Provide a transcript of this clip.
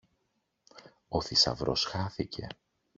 Ο θησαυρός χάθηκε!